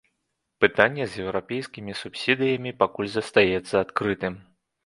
Пытанне з еўрапейскімі субсідыямі пакуль застаецца адкрытым.